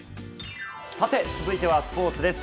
続いてはスポーツです。